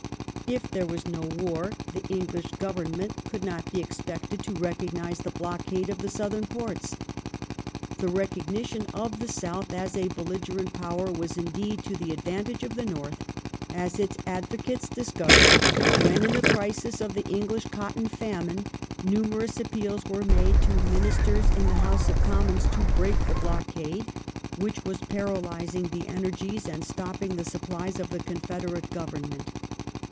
If there was no war, the English Government could not be expected FRANCE AND THE UNITED STATES. 223 ^o recognise the blockade of tbe Southern ports. The recognition of the South as a belligerent power was indeed to the advantage of the North, as its advo cates discovered when, in the crisis of the English cotton famine, numerous appeals were made to Mini sters in the House of Commons to break the blockade, which was paralyzing the energies and stopping the 43upplies of the Confederate Government.